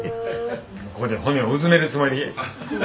ここで骨をうずめるつもりで。